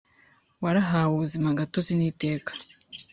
warahawe ubuzima gatozi n iteka